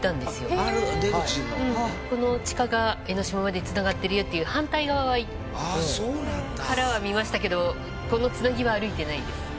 この地下が江の島まで繋がってるよっていう反対側からは見ましたけどこの繋ぎは歩いてないんです。